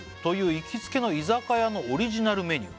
「行きつけの居酒屋のオリジナルメニュー」